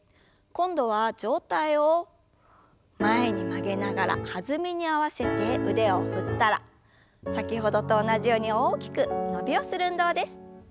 今度は上体を前に曲げながら弾みに合わせて腕を振ったら先ほどと同じように大きく伸びをする運動です。